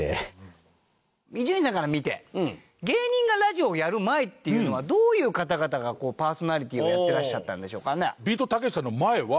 伊集院さんから見て芸人がラジオをやる前っていうのはどういう方々がパーソナリティーをやっていらっしゃったんでしょうかね？